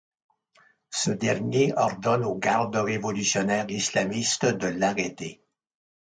Ce dernier ordonne aux gardes révolutionnaires islamistes de l'arrêter.